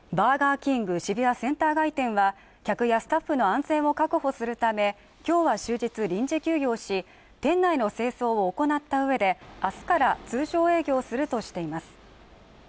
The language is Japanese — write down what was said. キング渋谷センター街店は客やスタッフの安全を確保するためきょうは終日臨時休業し店内の清掃を行ったうえで明日から通常営業するとしています